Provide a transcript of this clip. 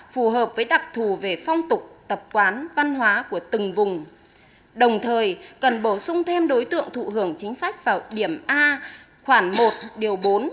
phù hợp với đặc thù về phong tục tập quán văn hóa của từng vùng đồng thời cần bổ sung thêm đối tượng thụ hưởng chính sách vào điểm a khoảng một điều bốn